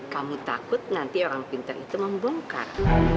kamu takut nanti orang pintar itu membongkar